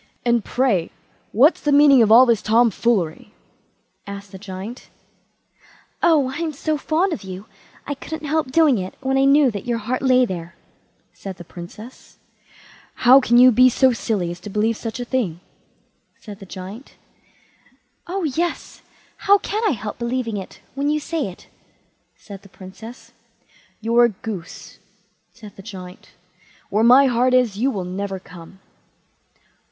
"And, pray, what's the meaning of all this tom foolery?" asked the Giant. "Oh, I'm so fond of you, I couldn't help doing it when I knew that your heart lay there", said the Princess. "How can you be so silly as to believe any such thing?" said the Giant. "Oh yes; how can I help believing it, when you say it", said the Princess. "You're a goose", said the Giant; "where my heart is, you will never come."